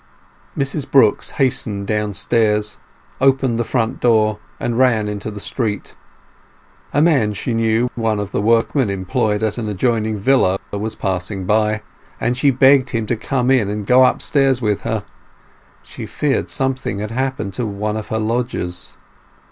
Mrs Brooks hastened downstairs, opened the front door, and ran into the street. A man she knew, one of the workmen employed at an adjoining villa, was passing by, and she begged him to come in and go upstairs with her; she feared something had happened to one of her lodgers.